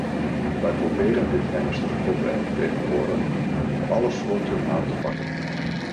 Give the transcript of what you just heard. Wij proberen dit ernstig probleem tegenwoordig op alle fronten aan te pakken.